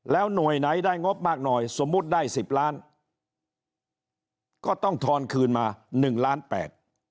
หน่วยไหนได้งบมากหน่อยสมมุติได้สิบล้านก็ต้องทอนคืนมาหนึ่งล้านแปด